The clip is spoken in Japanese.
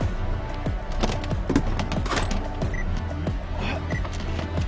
えっ？